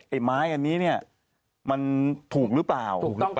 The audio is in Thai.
ไอ้ไม้อันนี้เนี่ยมันถูกหรือเปล่า